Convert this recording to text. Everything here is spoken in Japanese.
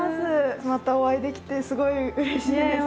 またお会いできてすごいうれしいです。